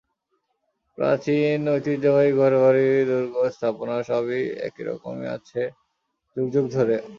প্রাচীন ঐতিহ্যবাহী ঘরবাড়ি, দুর্গ, স্থাপনা সবই একই রকম আছে যুগ যুগ ধরে।